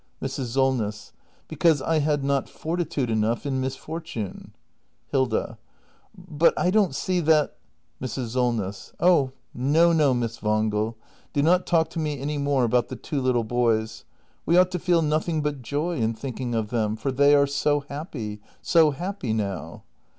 Mrs. Solness. Because I had not fortitude enough in misfortune Hilda. But I don't see that Mrs. Solness. Oh, no, no, Miss Wangel — do not talk to me any more about the two little boys. We ought to feel nothing but joy in thinking of them; for they are so happy — so happy now.